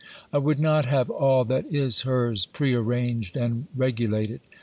I would not have all that is hers pre arranged and regulated.